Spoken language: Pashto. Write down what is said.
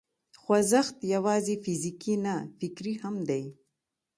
خوځښت یوازې فزیکي نه، فکري هم دی.